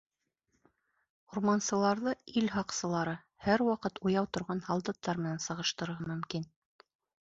Урмансыларҙы ил һаҡсылары, һәр ваҡыт уяу торған һалдаттар менән сағыштырырға мөмкин.